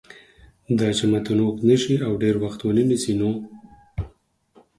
داچې متن اوږد نشي او ډېر وخت ونه نیسي نو